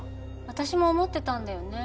私も思ってたんだよね